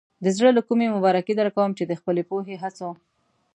د زړۀ له کومې مبارکي درکوم چې د خپلې پوهې، هڅو.